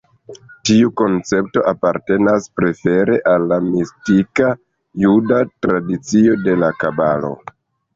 Tiu koncepto apartenas prefere al la mistika juda tradicio de la Kabalo.